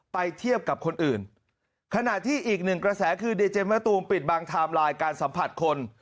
เทียบกับคนอื่นขณะที่อีกหนึ่งกระแสคือดีเจมะตูมปิดบางไทม์ไลน์การสัมผัสคน